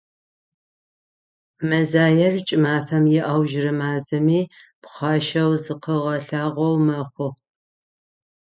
Мэзаер кӏымафэм иаужырэ мазэми, пхъашэу зыкъыгъэлъагъоу мэхъу.